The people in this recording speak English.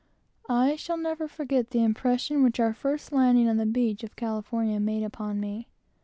I shall never forget the impression which our first landing on the beach of California made upon me.